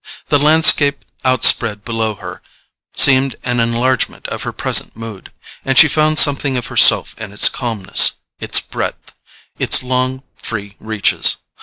The landscape outspread below her seemed an enlargement of her present mood, and she found something of herself in its calmness, its breadth, its long free reaches.